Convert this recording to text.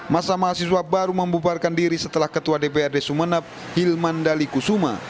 masa mahasiswa baru membubarkan diri setelah ketua dprd sumeneb hilman dali kusuma